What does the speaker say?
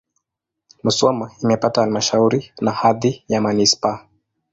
Musoma imepata halmashauri na hadhi ya manisipaa.